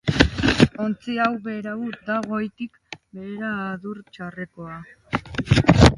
Ontzi hau berau da goitik behera adur txarrekoa!